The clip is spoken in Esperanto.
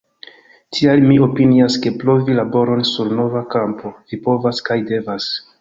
Tial mi opinias, ke provi laboron sur nova kampo vi povas kaj devas.